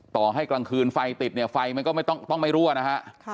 ต่อให้กลางคืนไฟติดเนี่ยไฟมันก็ไม่ต้องไม่รั่วนะฮะ